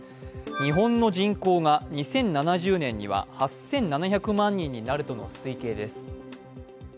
日本の人口が２０７０年には８７００万人になるとの推計です。